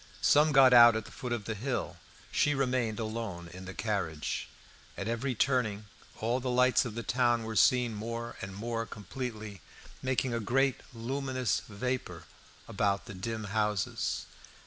Some got out at the foot of the hill. She remained alone in the carriage. At every turning all the lights of the town were seen more and more completely, making a great luminous vapour about the dim houses.